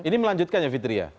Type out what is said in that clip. ini melanjutkan ya fitri ya